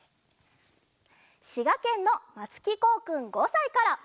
しがけんのまつきこうくん５さいから。